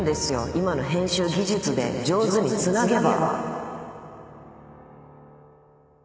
今の編集技術で上手につなげば。